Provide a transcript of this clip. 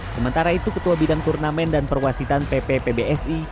sementara itu ketua bidang turnamen dan perwasitan pp pbsi